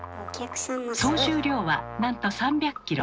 総重量はなんと３００ｋｇ。